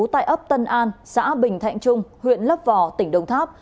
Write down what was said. tại ấp tân an xã bình thạnh trung huyện lấp vò tỉnh đồng tháp